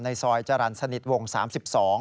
ซอยจรรย์สนิทวง๓๒